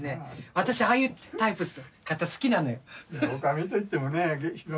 私ああいうタイプの方好きなのよ。